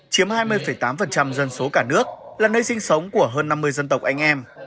chiếm hai mươi tám dân số cả nước là nơi sinh sống của hơn năm mươi dân tộc anh em